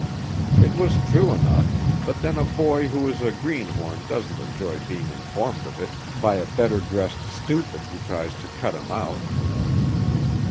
It was true enough, but then a boy who is a greenhorn doesn't enjoy being informed of it by a better dressed stupid who tries to cut him out!